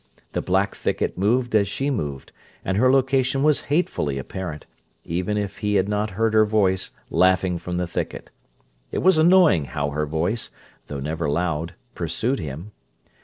The black thicket moved as she moved and her location was hatefully apparent, even if he had not heard her voice laughing from the thicket. It was annoying how her voice, though never loud, pursued him.